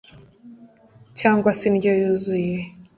cyangwa se indyo yuzuye